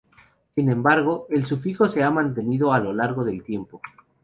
Sin embargo, el sufijo se ha mantenido a lo largo del tiempo.